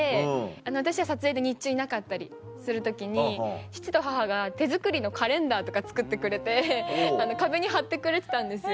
私は撮影で日中いなかったりする時に父と母が手作りのカレンダーとか作ってくれて壁に張ってくれてたんですよ